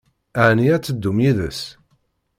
Ɛni ad teddum yid-s?